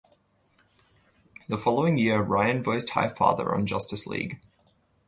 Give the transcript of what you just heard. The following year, Ryan voiced Highfather on "Justice League".